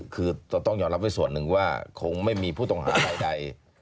คือต้องยอมรับไว้ส่วนหนึ่งว่าคงไม่มีผู้ต้องหาใด